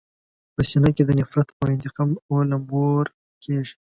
په سینه کې د نفرت او انتقام اور لمبور کېږي.